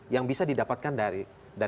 yang bisa didapatkan dari